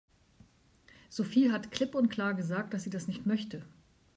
Sophie hat klipp und klar gesagt, dass sie das nicht möchte.